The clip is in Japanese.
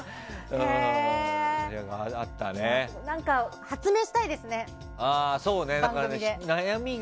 何か発明したいですね、番組で。